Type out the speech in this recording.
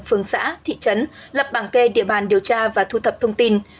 phường xã thị trấn lập bảng kê địa bàn điều tra và thu thập thông tin